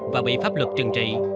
và bị pháp luật trừng trị